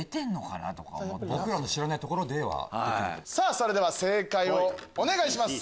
それでは正解をお願いします！